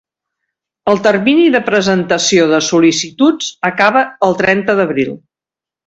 El termini de presentació de sol·licituds acaba el trenta d'abril.